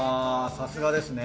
さすがですね。